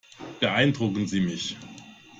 Beeindrucken Sie mich.